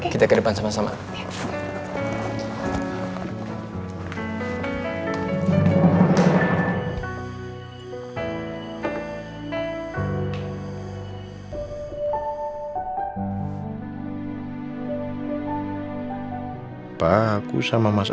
kita ke depan sama sama